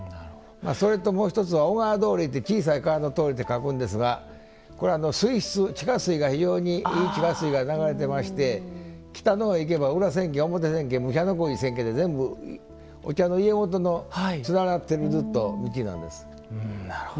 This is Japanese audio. それと、もう一つはおがわ通りって小さい川の通りって書くんですが水質、地下水が非常にいい地下水が流れていまして北のほうへ行けば表千家裏千家全部お茶の家元と連なっている道なんです。